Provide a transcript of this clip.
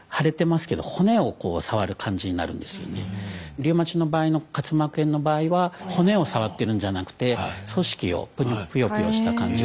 リウマチの場合の滑膜炎の場合は骨を触ってるんじゃなくて組織をプヨプヨした感じを触る。